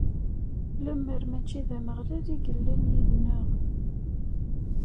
Lemmer mačči d Ameɣlal i yellan yid-neɣ.